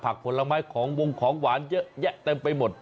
ผลไม้ของวงของหวานเยอะแยะเต็มไปหมด